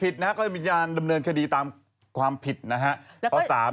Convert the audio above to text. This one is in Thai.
เจ้ามิญญาณดำเนินคดีตามความผิดนะครับ